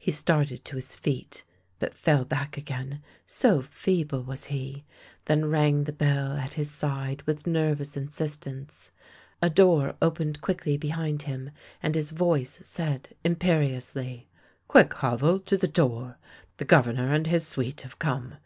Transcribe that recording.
He started to his feet, but fell back again, so feeble was he, then rang the bell at his side with nervous insist ence. A door opened quickly behind him, and his voice said imperiously: " Quick, Havel — to the door! The Governor and his suite have come.